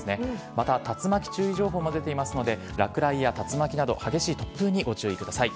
また竜巻注意情報も出ていますので、落雷や竜巻など、激しい突風にご注意ください。